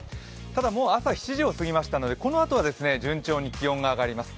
ただ朝７時を過ぎましたのでこのあとは順調に気温が上がります。